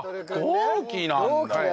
同期なんだね。